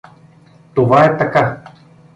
Това е така.